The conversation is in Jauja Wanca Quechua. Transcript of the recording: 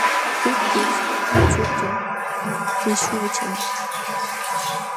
Pikpish uchuklla pishqucham.